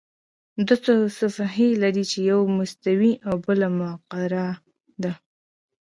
دوه صفحې لري چې یوه مستوي او بله مقعره ده.